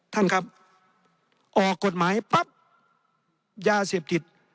ท่านครับออกกฎหมายปั๊บยาเสพติด